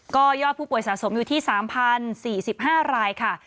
ก็ยอดผู้ป่วยสะสมอยู่ที่๓๐๔๕รายค่ะ